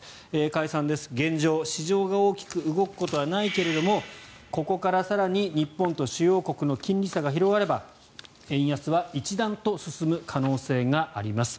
加谷さんです現状、市場が大きく動くことはないけれどもここから更に日本と主要国の金利差が広がれば円安は一段と進む可能性があります。